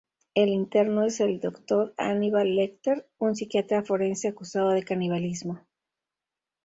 El interno es el Dr. Hannibal Lecter, un psiquiatra forense acusado de canibalismo.